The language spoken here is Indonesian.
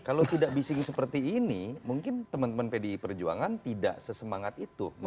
kalau tidak bising seperti ini mungkin teman teman pdi perjuangan tidak sesemangat itu